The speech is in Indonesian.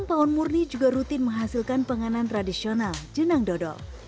pawon murni juga rutin menghasilkan panganan tradisional jenang dodol